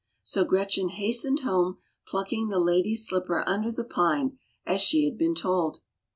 So Gretchen hastened home, plucking the lady's slipper under the pine, as she had been told.